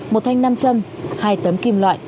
một thanh nam châm hai tấm kim loại